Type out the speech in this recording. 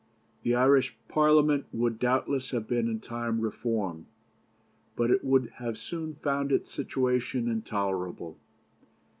The Irish Parliament would doubtless have been in time reformed, but it would have soon found its situation intolerable.